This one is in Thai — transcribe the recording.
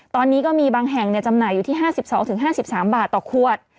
ตอนนี้ก็มีบางแห่งจำหน่ายอยู่ที่๕๒๕๓บาทต่อขวด